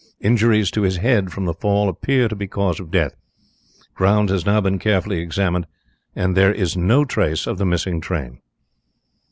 Injuries to his head, from the fall, appear to be cause of death. Ground has now been carefully examined, and there is no trace of the missing train."